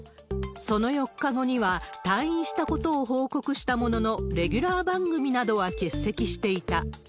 その４日後には、退院したことを報告したものの、レギュラー番組などは欠席していた。